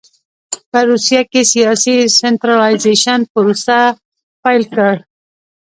په روسیه کې سیاسي سنټرالایزېشن پروسه پیل کړ.